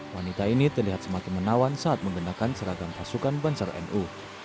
wanita ini terlihat semakin menawan saat menggunakan seragam pasukan banser nu